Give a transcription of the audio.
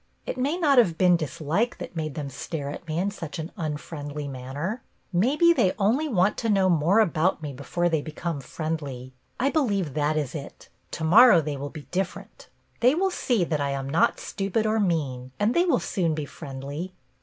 It may not have been dislike that made them stare at me in such an unfriendly manner. Maybe they only want to know more about me before they become friendly. I believe that is it. To morrow they will be different. They will see that I am not stupid or mean, and they will soon be friendly."